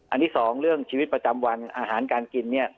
ที่สองเรื่องชีวิตประจำวันอาหารการกินเนี่ย